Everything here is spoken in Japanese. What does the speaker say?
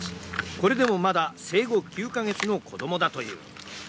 これでもまだ生後９カ月の子供だという。